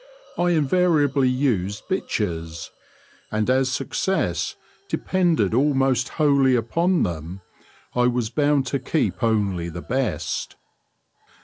I invariably used bitches, and as success depended almost wholly upon them, I was bound to keep only the best.